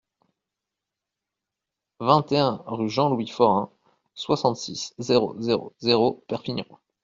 vingt et un rue Jean-Louis Forain, soixante-six, zéro zéro zéro, Perpignan